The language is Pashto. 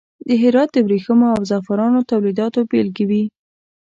د هرات د وریښمو او زغفرانو تولیداتو بیلګې وې.